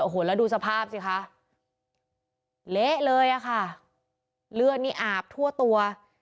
โอ้โหแล้วดูสภาพสิคะเละเลยอ่ะค่ะเลือดนี่อาบทั่วตัว